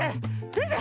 みて！